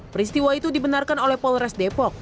peristiwa itu dibenarkan oleh polres depok